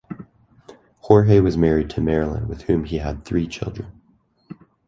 Jorge was married to Marilyn with whom he had three children.